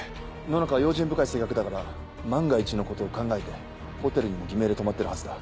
野中は用心深い性格だから万が一のことを考えてホテルにも偽名で泊まってるはずだ。